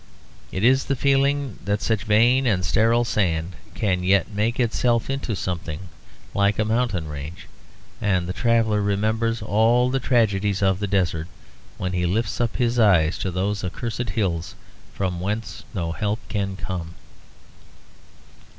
It is the feeling that such vain and sterile sand can yet make itself into something like a mountain range; and the traveller remembers all the tragedies of the desert, when he lifts up his eyes to those accursed hills, from whence no help can come.